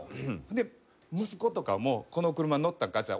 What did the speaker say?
で息子とかも「この車乗ったか？」